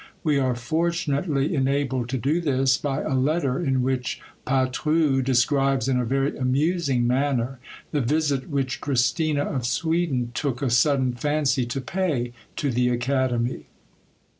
We are fortunately enabled to do this, by a letter in which Patru describes, in a very amusing manner, the visit which Christina of Sweden took a sudden fancy to pay to the Academy.